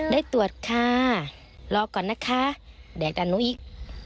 ได้ตรวจค่ะรอก่อนนะคะแดกด่านหนูอีก